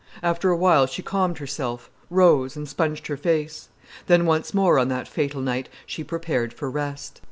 After a while she calmed herself, rose, and sponged her face. Then once more on that fatal night she prepared for rest.